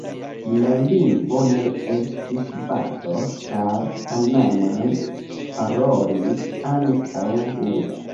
La lingvo ne estis baro, ĉar Hanaman parolis ankaŭ hungare.